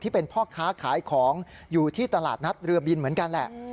เป็นพ่อค้าขายของอยู่ที่ตลาดนัดเรือบินเหมือนกันแหละ